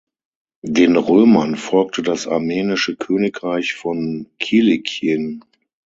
Den Römern folgte das Armenische Königreich von Kilikien.